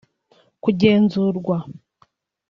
kugenzurwa